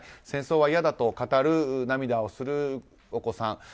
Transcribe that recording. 戦争は嫌だと語り涙をするお子さん。